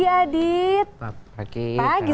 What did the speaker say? selamat pagi adit